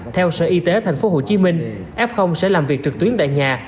theo sở y tế tp hcm f sẽ làm việc trực tuyến tại nhà